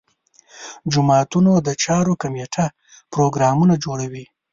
جوماتونو د چارو کمیټه پروګرامونه جوړوي.